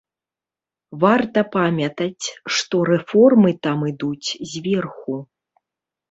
Варта памятаць, што рэформы там ідуць зверху.